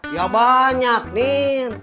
ya banyak nin